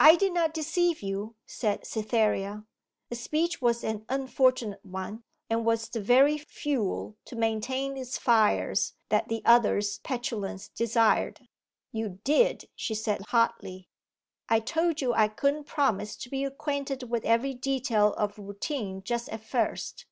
'I didn't deceive you,' said Cytherea. The speech was an unfortunate one, and was the very 'fuel to maintain its fires' that the other's petulance desired. 'You did,' she said hotly. 'I told you I couldn't promise to be acquainted with every detail of routine just at first.